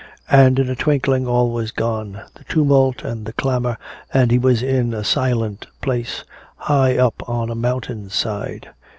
And in a twinkling all was gone, the tumult and the clamor, and he was in a silent place high up on a mountain side.